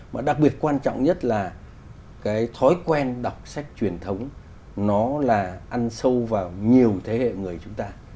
và đặc biệt quan trọng nhất là cái thói quen đọc sách truyền thống nó là ăn sâu vào nhiều thế hệ người chúng ta